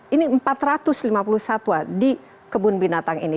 ini empat ratus lima puluh satwa di kebun binatang ini